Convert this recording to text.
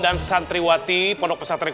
dan santriwati pendok pesantren